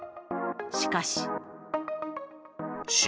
しかし。